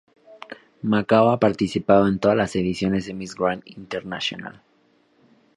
Macao ha participado en todas las ediciones de Miss Grand Internacional.